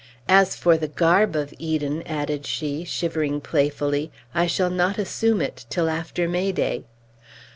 As for the garb of Eden," added she, shivering playfully, "I shall not assume it till after May day!"